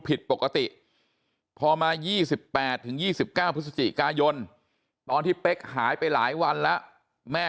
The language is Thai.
ผิดปกติพอมา๒๘๒๙พฤศจิกายนตอนที่เป๊กหายไปหลายวันแล้วแม่